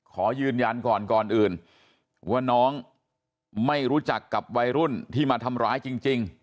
ขอยืนยันก่อนก่อนอื่นว่าน้องไม่รู้จักกับวัยรุ่นที่มาทำร้ายจริง